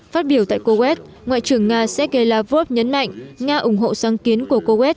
phát biểu tại coet ngoại trưởng nga sergei lavrov nhấn mạnh nga ủng hộ sáng kiến của coet